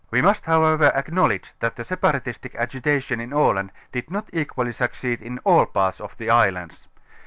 We must however acknowledge that the separatistic agitation in Aland did not equally succeed in all parts of the islands.